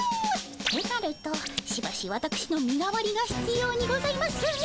となるとしばしわたくしの身代わりがひつようにございますね。